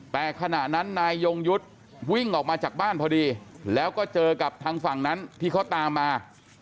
แต่ขณะนั้นนายยงยุทธ์วิ่งออกมาจากบ้านพอดีแล้วก็เจอกับทางฝั่งนั้นที่เขาตามมา